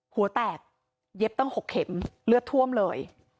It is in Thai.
หัวแตกเย็บตั้ง๖เข็มเลือดท่วมเลย